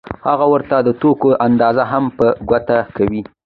هغه ورته د توکو اندازه هم په ګوته کوي